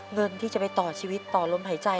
เงินที่จะไปต่อชีวิตต่อลมหายใจ